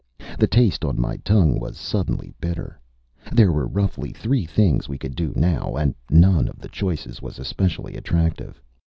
The taste on my tongue was suddenly bitter. There were roughly three things we could do now, and none of the choices was especially attractive.